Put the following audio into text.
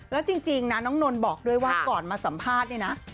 แล้วจริงน้องนนท์บอกด้วยว่าก่อนมาสัมภาษณ์